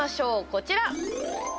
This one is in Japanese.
こちら！